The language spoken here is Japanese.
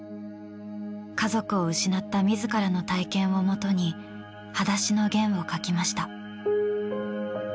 家族を失った自らの体験をもとに『はだしのゲン』を描きました。